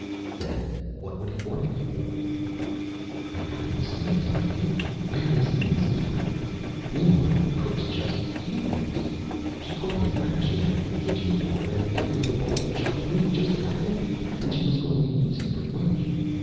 "Then what would he want it for?" "I haven't the slightest idea. I haven't seen him since breakfast. Meanwhile cook's just furious. She caught him vanishing out the kitchen door and there was the bowl of chopped meat just about empty and she was going to use it for lunch.